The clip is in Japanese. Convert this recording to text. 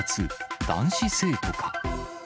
男子生徒か。